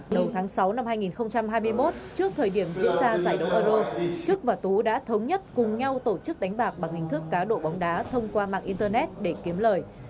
đầu tháng sáu năm hai nghìn hai mươi một trước thời điểm diễn ra giải đấu euroch và tú đã thống nhất cùng nhau tổ chức đánh bạc bằng hình thức cá độ bóng đá thông qua mạng internet để kiếm lời